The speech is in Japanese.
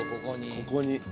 ここに。